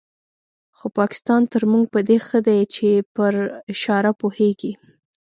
خو پاکستان تر موږ په دې ښه دی چې پر اشاره پوهېږي.